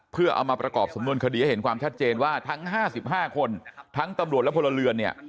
เพื่อเอามาประกอบสำนวนคดีให้เห็นความชัดเจนว่าทั้ง๕๕คนทั้งตำรวจและพลเรือนเนี่ย